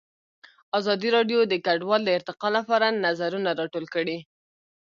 ازادي راډیو د کډوال د ارتقا لپاره نظرونه راټول کړي.